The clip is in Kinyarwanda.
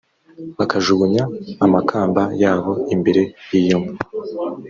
bakajugunya amakamba yabo imbere y iyo nka